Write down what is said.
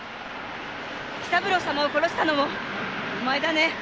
喜三郎様を殺したのもお前だね！